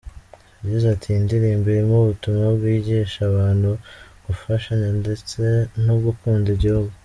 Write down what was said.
Yagize ati: "Iyi ndirimbo irimo ubutumwa bwigisha abantu gufashanya ndetse no gukunda igihugu.